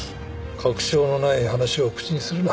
確証のない話を口にするな。